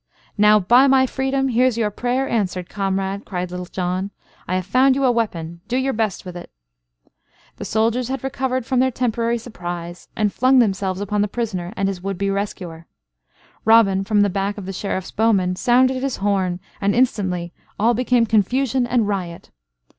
"Now, by my freedom, here's your prayer answered, comrade," cried Little John. "I have found you a weapon do your best with it!" The soldiers had recovered from their temporary surprise and flung themselves upon the prisoner and his would be rescuer. Robin, from the back of the Sheriff's bowmen, sounded his horn, and instantly all became confusion and riot.